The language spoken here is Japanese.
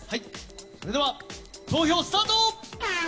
それでは、投票スタート！